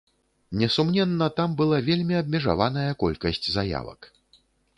Несумненна, там была вельмі абмежаваная колькасць заявак.